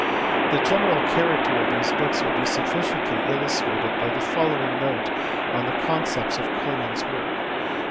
The general character of these books will be sufficiently illustrated by the following note on the contents of Culmann s work.